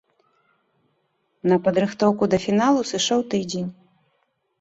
На падрыхтоўку да фіналу сышоў тыдзень.